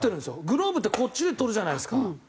グローブってこっちで捕るじゃないですか。